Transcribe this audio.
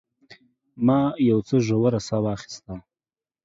ما یو څه ژوره ساه واخیسته.